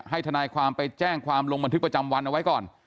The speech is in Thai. ทนายความไปแจ้งความลงบันทึกประจำวันเอาไว้ก่อน